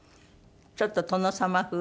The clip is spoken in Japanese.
ちょっと殿様風。